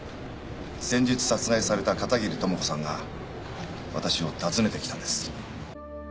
先日殺害された片桐朋子さんが私を訪ねてきたんです。